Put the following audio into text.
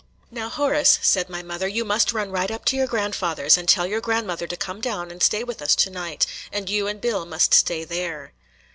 "NOW, Horace," said my mother, "you must run right up to your grandfather's, and tell your grandmother to come down and stay with us to night; and you and Bill must stay there."